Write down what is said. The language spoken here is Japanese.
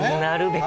なるべく。